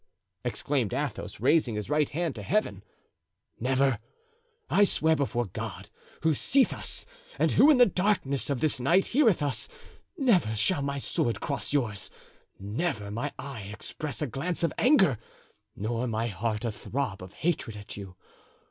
exclaimed Athos, raising his right hand to Heaven, "never! I swear before God, who seeth us, and who, in the darkness of this night heareth us, never shall my sword cross yours, never my eye express a glance of anger, nor my heart a throb of hatred, at you.